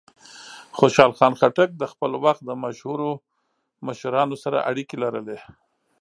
خوشحال خان خټک د خپل وخت د مشهورو مشرانو سره اړیکې لرلې.